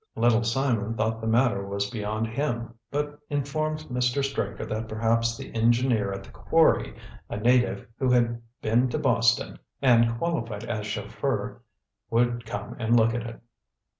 Little Simon thought the matter was beyond him, but informed Mr. Straker that perhaps the engineer at the quarry a native who had "been to Boston" and qualified as chauffeur would come and look at it.